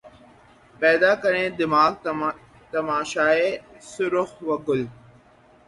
پیدا کریں دماغ تماشائے سَرو و گل